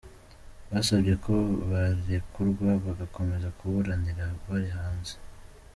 Basabye ko barekurwa bagakomeza kuburana bari hanze.